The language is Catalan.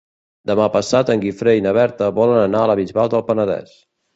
Demà passat en Guifré i na Berta volen anar a la Bisbal del Penedès.